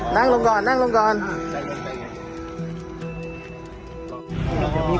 กลับยังไง